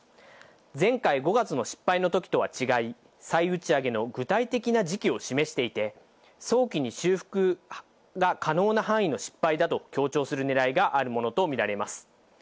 前回、５月の失敗のときとは違い、再打ち上げの具体的な時期を示していて、早期に修復が可能な範囲の失敗だと強調する狙いがあるものとみられます。